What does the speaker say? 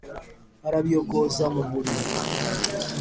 Arabiyogoza mu buriri.